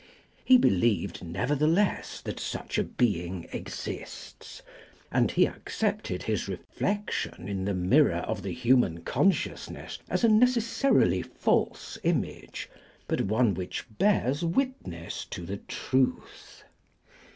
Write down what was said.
He believed nevertheless that such a Being exists; and he accepted His reflection in the mirror of the human consciousness, as a necessarily false image, but one which bears witness to the truth.